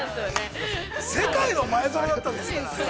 世界の前園だったんですから。